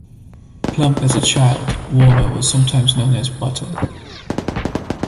Plump as a child, Warner was sometimes known as "Butter".